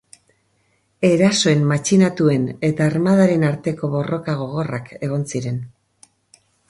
Erasoen matxinatuen eta armadaren arteko borroka gogorrak egon ziren.